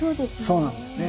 そうなんですね。